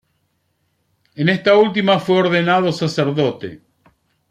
En esta última fue ordenado sacerdote.